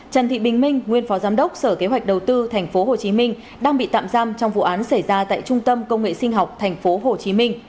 trần thị bình minh nguyên phó giám đốc sở kế hoạch đầu tư tp hcm đang bị tạm giam trong vụ án xảy ra tại trung tâm công nghệ sinh học tp hcm